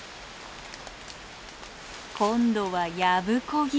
今度はやぶこぎ。